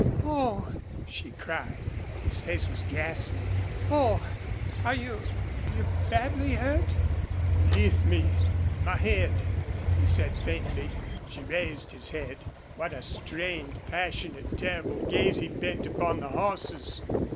"Oh!" she cried. His face was ghastly. "Oh! are you you badly hurt?" "Lift me my head," he said, faintly. She raised his head. What a strained, passionate, terrible gaze he bent upon the horses.